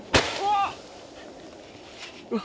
うわ！